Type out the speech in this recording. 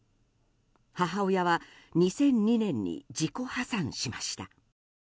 母親は２００２年に自己破産しました。